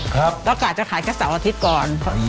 แล้วกะจะขายแค่เสาร์อาทิตย์ก่อน